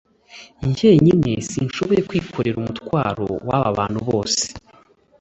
jyenyine sinshoboye kwikorera umutwaro w aba bantu bose